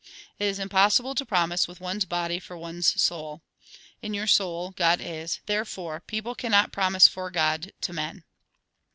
It is impossible to promise with one's body for one's soul. In your soul, God is ; therefore peoDle cannot promise for God to men.